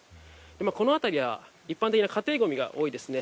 この辺りは一般的な家庭ごみが多いですね。